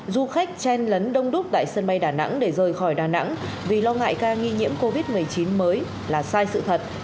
du khách chen lấn đông đúc tại sân bay đà nẵng để rời khỏi đà nẵng vì lo ngại ca nghi nhiễm covid một mươi chín mới là sai sự thật